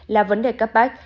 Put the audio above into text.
là vấn đề cấp bách